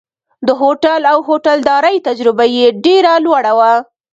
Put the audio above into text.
د هوټل او هوټلدارۍ تجربه یې ډېره لوړه وه.